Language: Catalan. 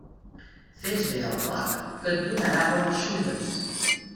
Fes bé al porc, que et donarà bones xulles.